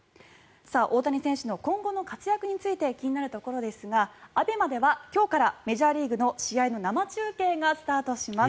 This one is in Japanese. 大谷選手の今後の活躍について気になるところですがＡＢＥＭＡでは今日からメジャーリーグの試合の生中継がスタートします。